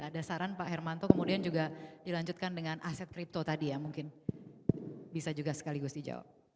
ada saran pak hermanto kemudian juga dilanjutkan dengan aset kripto tadi yang mungkin bisa juga sekaligus dijawab